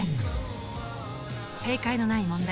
正解のない問題。